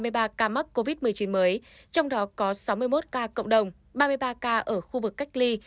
ba mươi ba ca mắc covid một mươi chín mới trong đó có sáu mươi một ca cộng đồng ba mươi ba ca ở khu vực cách ly